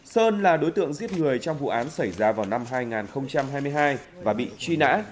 sơn là đối tượng giết người trong vụ án xảy ra vào năm hai nghìn hai mươi hai và bị truy nã